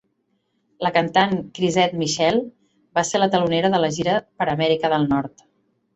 La cantant Chrisette Michele va ser la telonera de la gira per Amèrica del Nord.